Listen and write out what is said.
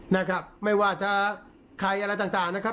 นะครับไม่ว่าจะใครอะไรต่างต่างนะครับ